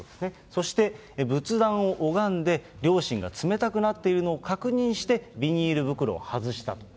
そして仏壇を拝んで、両親が冷たくなっているのを確認して、ビニール袋を外したと。